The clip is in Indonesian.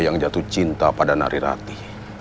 yang jatuh cinta pada nari rati